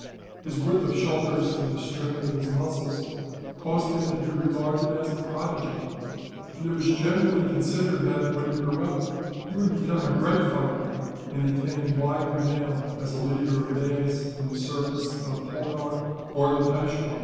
His width of shoulders and the strength of his muscles caused him to be regarded as a prodigy; and it was generally considered that, when he grew up, he would become a great fighter, and attain wide renown as a leader of bands in the service of Holkar, or the Peishwa.